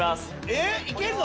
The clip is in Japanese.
えっいけるの！？